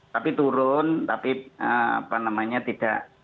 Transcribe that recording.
tapi turun tapi apa namanya tidak